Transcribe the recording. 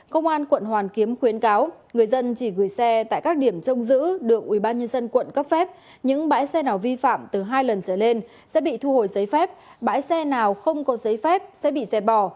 công an quận hoàn kiếm khuyến cáo người dân chỉ gửi xe tại các điểm trông giữ được ubnd quận cấp phép những bãi xe nào vi phạm từ hai lần trở lên sẽ bị thu hồi giấy phép bãi xe nào không có giấy phép sẽ bị xe bỏ